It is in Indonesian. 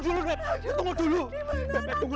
tunggu dulu beb